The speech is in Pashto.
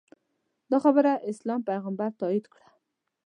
دا خبره اسلام پیغمبر تاییده کړه